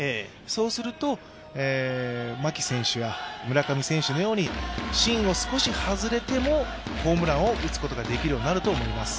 そうすると、牧選手や村上選手のように芯を少し外れてもホームランを打つことができるようになると思います。